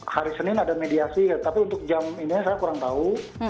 hari senin ada mediasi tapi untuk jam ini saya kurang tahu